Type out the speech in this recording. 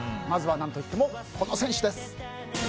まずは何といってもこの選手です。